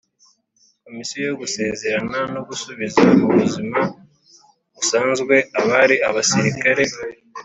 Komisiyo yo Gusezerera no Gusubiza mu buzima busanzwe abari abasirikare